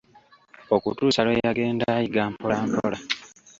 Okutuusa Iwe yagenda ayiga mpola mpola.